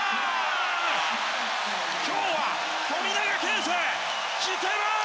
今日は富永啓生、来てます。